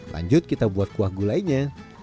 lanjut kita buat kuah gulainya